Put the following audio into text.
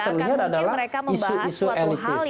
karena tidak akan mungkin mereka membahas suatu hal